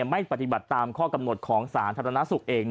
ไม่ปฏิบัติตามข้อกำหนดของสาธารณสุขเอง